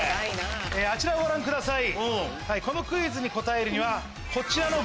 あちらをご覧ください。